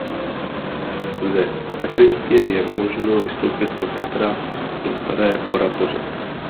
Ze sakristie je možno vystoupit do patra do staré oratoře.